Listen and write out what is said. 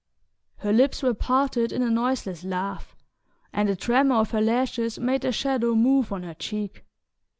Her lips were parted in a noiseless laugh and the tremor of her lashes made their shadow move on her cheek.